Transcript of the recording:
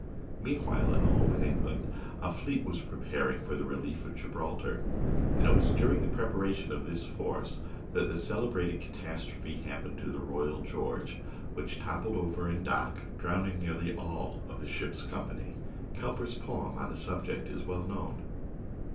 Meantime, at home, in England, a fleet was pre paring for the relief of Gibraltar, and it was dur ing the preparation of this force that the celebrated catastrophe happened to the Royal George, which toppled over in dock, drowning nearly all of the ship's company. Cowper's poem on the subject is well known.